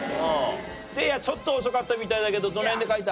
せいやちょっと遅かったみたいだけどどの辺で書いた？